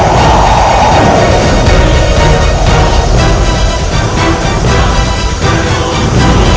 jangan sampai kayak ini